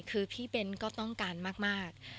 คือพี่เบ้นก็ต้องการมาก